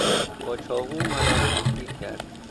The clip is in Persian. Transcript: با چاقو مرا تهدید کرد.